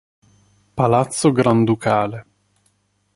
Palazzo Granducale